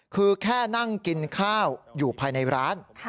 คือแค่นั่งกินข้าวอยู่ภายในร้าน